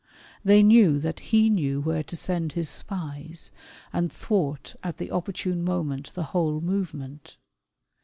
They knew that he knew where to send his spies, and thwart at the opportune moment the whole movement.